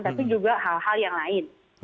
tapi juga hal hal yang lain